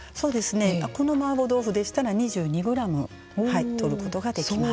このマーボー豆腐でしたら２２グラムとることができます。